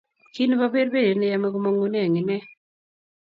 Ki neboberberiet ne yame komangune eng ine